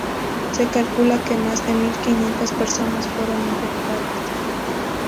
Se calcula que más de mil quinientas personas fueron infectadas.